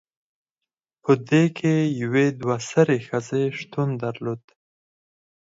پدې کې یوې دوه سرې ښځې شتون درلود